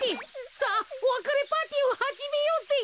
さあおわかれパーティーをはじめようぜ。